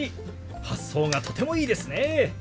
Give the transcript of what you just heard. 発想がとてもいいですね。